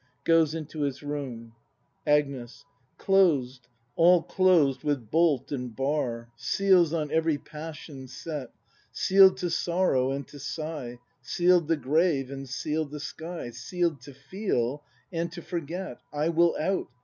[Goes into his room. Agnes. Closed, all closed with bolt and bar! Seals on every passion set! Seal'd to sorrow and to sigh, Seal'd the grave and seal'd the sky, Seal'd to feel — and to forget! I will out!